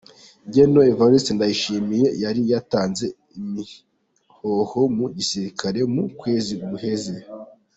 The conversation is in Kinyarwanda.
Gen Evariste Ndayishimiye yari yatanze imihoho mu gisirikare mu kwezi guheze.